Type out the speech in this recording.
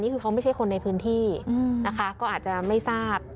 คือเขาไม่ใช่คนในพื้นที่นะคะก็อาจจะไม่ทราบ